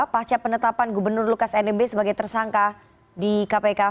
pasca penetapan gubernur lukas nmb sebagai tersangka di kpk